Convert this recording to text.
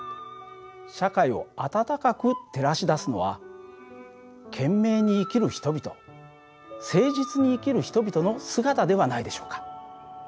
社会を温かく照らし出すのは懸命に生きる人々誠実に生きる人々の姿ではないでしょうか？